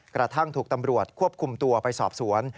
กระทั่งถูกตำรวจควบคุมตัวไปสอบสวน